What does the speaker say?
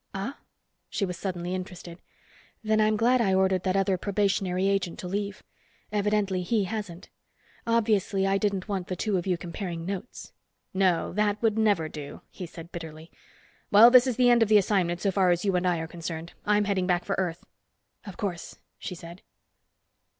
"Ah?" She was suddenly interested. "Then I'm glad I ordered that other probationary agent to leave. Evidently, he hasn't. Obviously, I didn't want the two of you comparing notes." "No, that would never do," he said bitterly. "Well, this is the end of the assignment so far as you and I are concerned. I'm heading back for Earth." "Of course," she said.